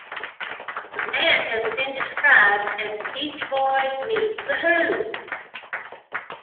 The band has been described as "The Beach Boys meets the Who".